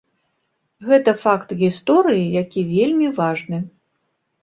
Гэта факт гісторыі, які вельмі важны.